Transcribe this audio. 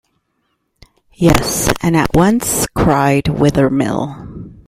"Yes, and at once," cried Wethermill.